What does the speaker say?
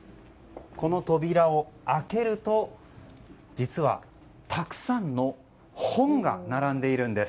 この扉を開けると実は、たくさんの本が並んでいるんです。